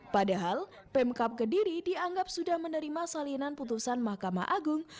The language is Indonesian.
padahal pemkap kediri dianggap sudah menerima salinan putusan mahkamah agung